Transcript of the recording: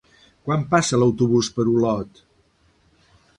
Quan passa l'autobús per Olot?